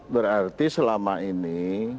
berarti selama ini